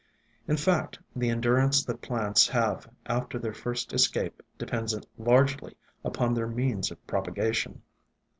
In fact, the endurance that plants have after their first escape depends largely upon their means of propagation.